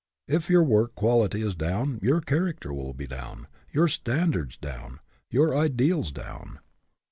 If your work quality is down, your character will be down, your standards down, your ideals down.